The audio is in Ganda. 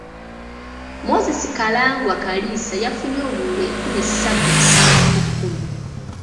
Moses Karangwa Kalisa yafunye obululu enkumi ssatu lusanvu mu kamu.